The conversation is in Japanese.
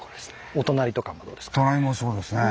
お隣とかもどうですか？